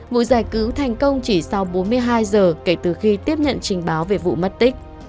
vụ giải cứu thành công chỉ sau bốn mươi hai giờ kể từ khi tiếp nhận trình báo về vụ mất tích